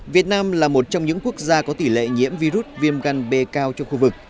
việt nam là một trong những quốc gia có tỷ lệ nhiễm virus viêm gan b cao trong khu vực